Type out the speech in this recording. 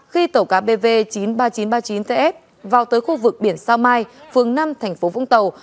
khi tàu cá bv chín mươi ba nghìn chín trăm ba mươi chín ts vào tới khu vực biển sao mai phường năm thành phố vũng tàu